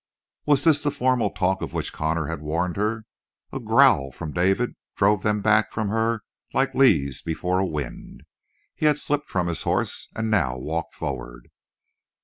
Was this the formal talk of which Connor had warned her? A growl from David drove them back from her like leaves before a wind. He had slipped from his horse, and now walked forward.